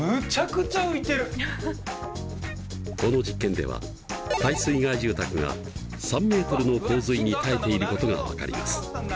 この実験では耐水害住宅が３メートルの洪水に耐えていることが分かります。